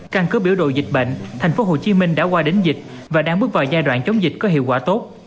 căn cứ biểu đồ dịch bệnh tp hcm đã qua đến dịch và đang bước vào giai đoạn chống dịch có hiệu quả tốt